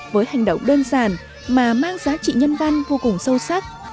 với hành động đơn giản mà mang giá trị nhân văn vô cùng sâu sắc